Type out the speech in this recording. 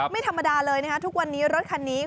ไม่ธรรมดาเลยนะคะทุกวันนี้รถคันนี้